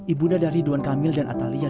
ibunda dari ridwan kamil dan atalia